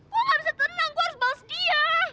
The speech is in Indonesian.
gue gak bisa tenang gue harus bos dia